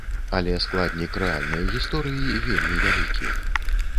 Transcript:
Але складнік рэальнай гісторыі вельмі вялікі.